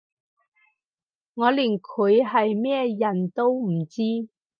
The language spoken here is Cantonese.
我連佢係咩人都唔知